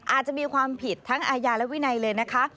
อาจจะมีความผิดทั้งอาญาและวินัยเลยนะคะ